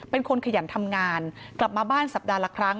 เป็นคนขยันทำงานกลับมาบ้านสัปดาห์ละครั้ง